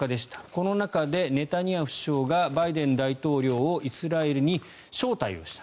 この中でネタニヤフ首相がバイデン大統領をイスラエルに招待した。